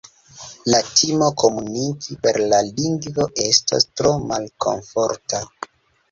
La timo komuniki per la lingvo estos tro malkomforta.